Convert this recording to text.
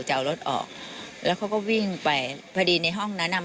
จะเอารถออกแล้วเขาก็วิ่งไปพอดีในห้องนั้นอ่ะ